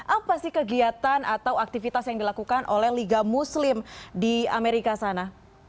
apa sih kegiatan atau aktivitas yang dilakukan oleh liga muslim di amerika sana